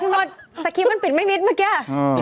เห็นไหมสักครีมมันปิดไม่นิดเมื่อกี้